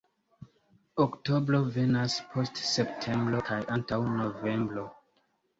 Oktobro venas post septembro kaj antaŭ novembro.